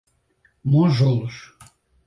Monjolos